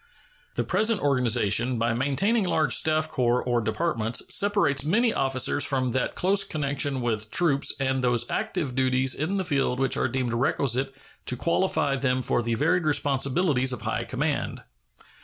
The present organization, by maintaining large staff corps or departments, separates many officers from that close connection with troops and those active duties in the field which are deemed requisite to qualify them for the varied responsibilities of high command.